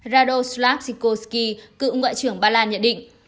radoslav sikorsky cựu ngoại trưởng bà lan nhận định